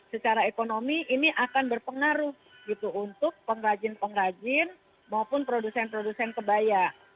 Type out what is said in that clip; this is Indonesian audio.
secara ekonomi ini akan berpengaruh gitu untuk pengrajin pengrajin maupun produsen produsen kebaya